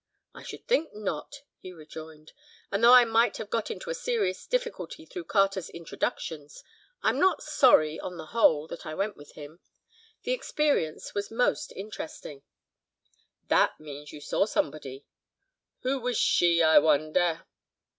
"I should think not," he rejoined, "and though I might have got into a serious difficulty through Carter's introductions, I'm not sorry, on the whole, that I went with him, the experience was most interesting." "That means you saw somebody. Who was she, I wonder?